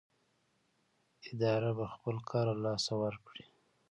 اداره به خپل کار له لاسه ورکړي.